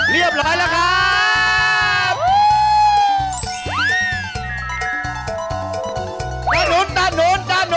เรียบร้อยแล้วครับ